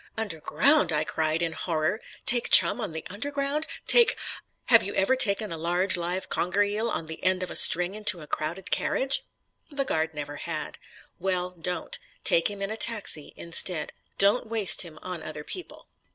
"Underground?" I cried in horror. "Take Chum on the Underground? Take Have you ever taken a large live conger eel on the end of a string into a crowded carriage?" The guard never had. "Well, don't. Take him in a taxi instead. Don't waste him on other people."